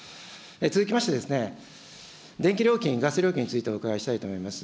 続きまして、電気料金、ガス料金についてお伺いしたいと思います。